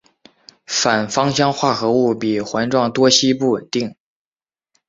反芳香化合物比环状多烯不稳定。